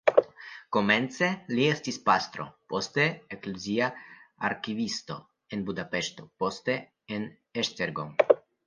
Komence li estis pastro, poste eklezia arkivisto en Budapeŝto, poste en Esztergom.